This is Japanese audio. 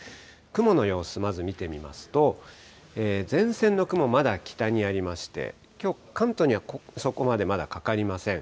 雲の様子、まず見てみますと、前線の雲、まだ北にありまして、きょう、関東にはそこまでまだかかりません。